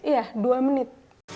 iya dua menit